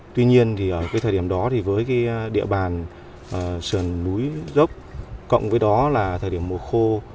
tuy nhiên ở thời điểm đó với địa bàn sườn núi dốc cộng với đó là thời điểm mùa khô